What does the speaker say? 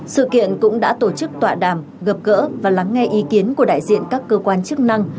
sự kiện cũng đã tổ chức tọa đàm gặp gỡ và lắng nghe ý kiến của đại diện các cơ quan chức năng